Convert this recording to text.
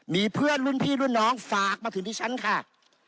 มีเพื่อนรุ่นพี่รุ่นน้องฝากมาถึงที่ฉันค่ะ